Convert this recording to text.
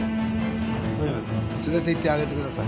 連れてってあげてください